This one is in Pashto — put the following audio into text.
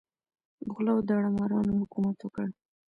غلو او داړه مارانو حکومت وکړ.